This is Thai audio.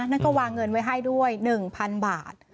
นั่นก็วางเงินไว้ให้ด้วย๑๐๐๐บาท